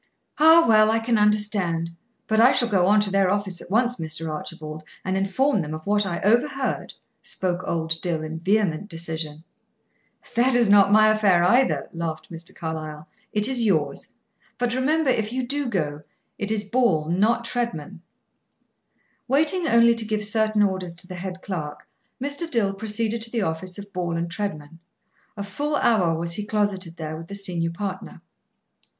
"Ah, well, I can understand. But I shall go on to their office at once, Mr. Archibald, and inform them of what I overheard," spoke old Dill, in vehement decision. "That is not my affair either," laughed Mr. Carlyle, "it is yours. But remember, if you do go, it is Ball, not Treadman." Waiting only to give certain orders to the head clerk, Mr. Dill proceeded to the office of Ball & Treadman. A full hour was he closeted there with the senior partner.